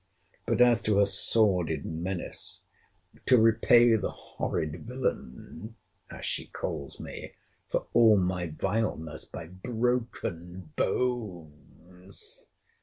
—But as to her sordid menace—To repay the horrid villain, as she calls me, for all my vileness by BROKEN BONES!